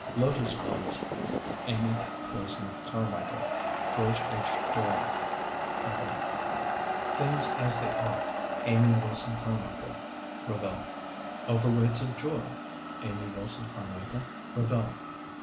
Lotus Buds, Amy Wilson Carmichael, (Geo. H. Doran Co.) Things as They Are, Amy Wilson Carmichael, (Revell.) Overweights of Joy, Amy Wilson Carmichael, (Revell.)